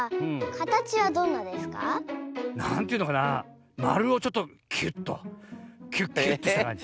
なんというのかなまるをちょっとキュッとキュッキュッとしたかんじ。